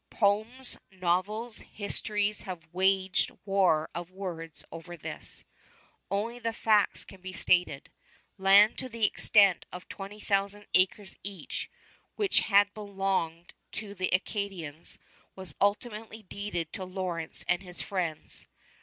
Poems, novels, histories have waged war of words over this. Only the facts can be stated. Land to the extent of twenty thousand acres each, which had belonged to the Acadians, was ultimately deeded to Lawrence and his friends.